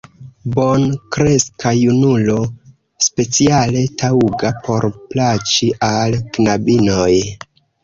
Bonkreska junulo, speciale taŭga, por plaĉi al knabinoj!